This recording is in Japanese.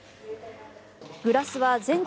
グラスは全国